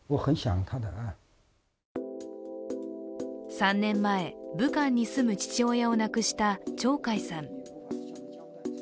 ３年前、武漢に住む父親を亡くした張海さん。